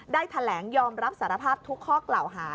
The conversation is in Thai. ได้แถลงยอมรับสารภาพทุกข้อกล่าวหา